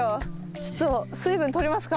ちょっと水分とりますか。